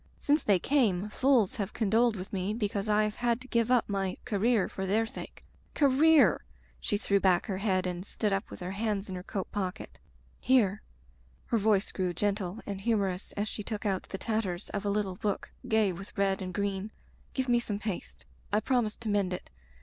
Since they came fools have condoled with me because I have had to give up my 'career' for their sake. Career!" She threw back her head and stood up with her hands in her coat pocket. "Here," her voice grew gentle and humorous as she took out the tatters of a little book gay with red and green, "give me some paste. I promised to mend it.